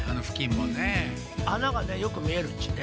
穴がねよくみえるっちね。